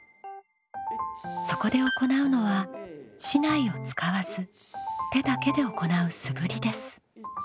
そこで行うのは竹刀を使わず手だけで行う素振りです。